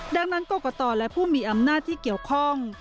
ดังนั้นกรกตและผู้มีอำนาจที่เกี่ยวข้อง